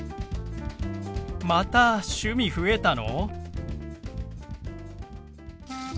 また趣味増えたの！？